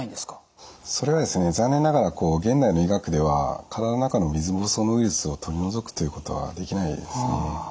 それがですね残念ながら現代の医学では体の中の水ぼうそうのウイルスを取り除くということはできないですね。